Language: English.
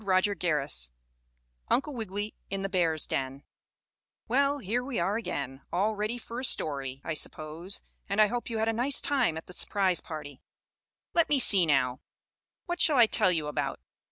STORY XXII UNCLE WIGGILY IN THE BEAR'S DEN Well, here we are again, all ready for a story, I suppose, and I hope you had a nice time at the surprise party. Let me see now, what shall I tell you about?